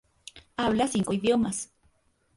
Habla cinco idiomas.